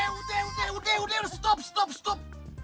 udah udah udah udah stop stop stop